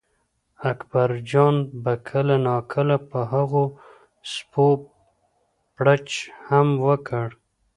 اکبرجان به کله ناکله په هغو سپو بړچ هم وکړ.